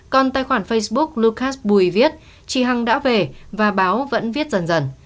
còn tài khoản facebook lucas bue viết chị hằng đã về và báo vẫn viết dần dần